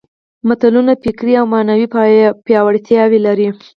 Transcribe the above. متلونه فکري او معنوي پياوړتیا لري